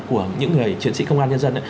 của những người chiến sĩ công an nhân dân